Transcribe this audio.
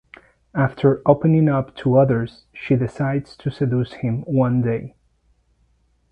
After opening up to others she decides to seduce him one day.